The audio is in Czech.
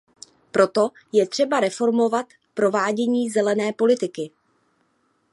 Proto je třeba reformovat provádění zelené politiky.